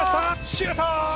シュート。